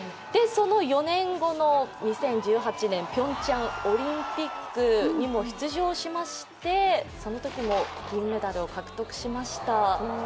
その４年後の２０１８年ピョンチャンオリンピックにも出場しまして、そのときも銀メダルを獲得しました。